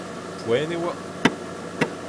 Poent e oa !